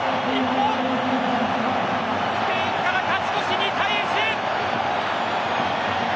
スペインから勝ち越し２対１。